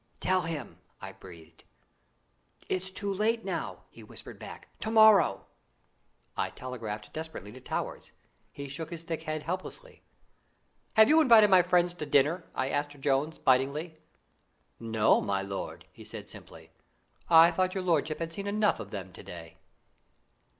"Tell him!" I breathed. "It's too late now," he whispered back. "To morrow!" I telegraphed desperately to Towers. He shook his thick head helplessly. "Have you invited my friends to dinner?" I asked Jones bitingly. "No, my lord," he said simply. "I thought your lordship 'ad seen enough of them to day."